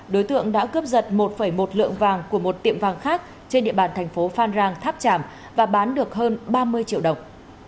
đối tượng đã cướp giật một một lượng vàng của một tiệm vàng khác trên địa bàn thành phố phan rang tháp tràm và bán được hơn ba mươi triệu đồng